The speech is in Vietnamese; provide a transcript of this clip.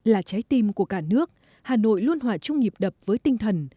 là trái tim của cả nước hà nội luôn hòa chung nghiệp đập với tinh thần